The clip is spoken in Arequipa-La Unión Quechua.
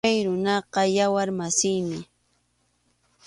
Chay runaqa yawar masiymi.